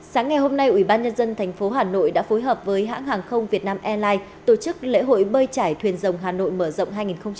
sáng ngày hôm nay ủy ban nhân dân tp hà nội đã phối hợp với hãng hàng không việt nam airlines tổ chức lễ hội bơi trải thuyền rồng hà nội mở rộng hai nghìn hai mươi